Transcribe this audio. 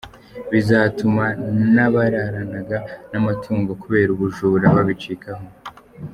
Bizatuma n’abararanaga n’amatungo kubera ubujura babicikaho.